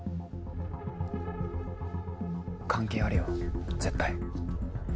関係あるよ絶対。